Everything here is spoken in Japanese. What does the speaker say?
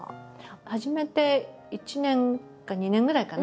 始めて１年か２年ぐらいかな。